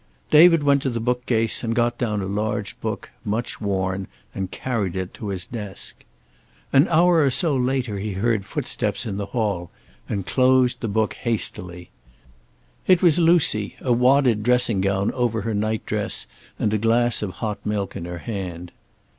David went to the bookcase and got down a large book, much worn, and carried it to his desk. An hour or so later he heard footsteps in the hall and closed the book hastily. It was Lucy, a wadded dressing gown over her nightdress and a glass of hot milk in her hand.